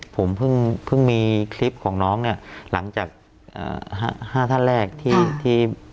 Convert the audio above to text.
ผมเพิ่งมีคลิปของน้องเนี่ยหลังจาก๕ท่านแรกที่